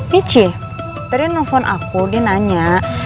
michi tadi yang telepon aku dia nanya